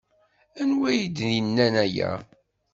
Anwa ay d-yennan aya?